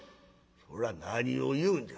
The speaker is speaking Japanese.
「こら何を言うんじゃ。